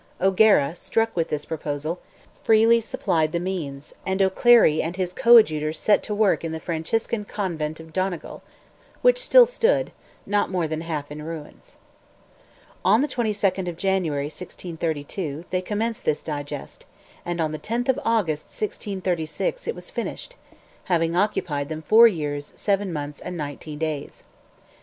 O'Gara, struck with this proposal, freely supplied the means, and O'Clery and his coadjutors set to work in the Franciscan Convent of Donegal, which still stood, not more than half in ruins. On the 22nd of January, 1632, they commenced this digest, and on the 10th of August, 1636, it was finished—having occupied them four years, seven months and nineteen days.